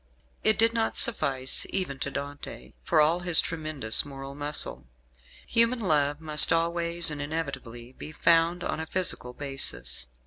It did not suffice even to Dante, for all his tremendous moral muscle. Human love must always and inevitably be founded on a physical basis.